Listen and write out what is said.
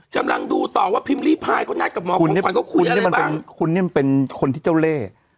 กำลังดูต่อว่าพิมพ์รีไพรเขาน่าจะกับหมอของขวัญเขาคุยอะไรบ้างคุณเนี้ยมันเป็นคุณเนี้ยมันเป็นคนที่เจ้าเล่